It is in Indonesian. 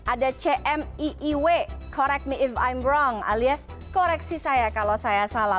ada cmiw correct me if i'm wrong alias koreksi saya kalau saya salah